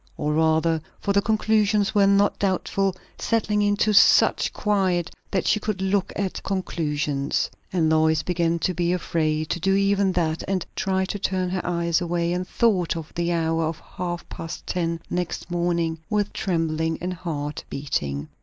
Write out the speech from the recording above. Or rather, for the conclusions were not doubtful, settling into such quiet that she could look at conclusions. And Lois began to be afraid to do even that, and tried to turn her eyes away, and thought of the hour of half past ten next morning with trembling and heart beating.